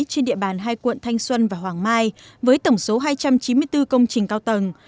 trên địa bàn hai quận thanh xuân và hoàng mai với tổng số hai trăm chín mươi bốn công trình cao tầng